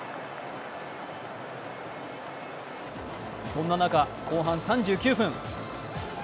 そんな中、後半３９分。